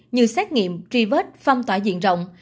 như xét nghiệm tri vết phong tỏa diện rộng